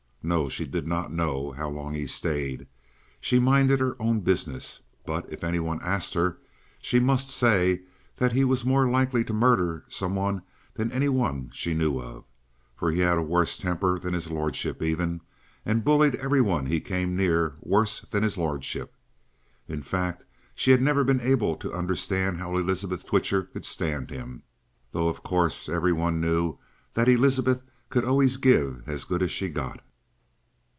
No; she did not know how long he stayed. She minded her own business, but, if any one asked her, she must say that he was more likely to murder some one than any one she knew, for he had a worse temper than his lordship even, and bullied every one he came near worse than his lordship. In fact, she had never been able to understand how Elizabeth Twitcher could stand him, though of course every one knew that Elizabeth could always give as good as she got.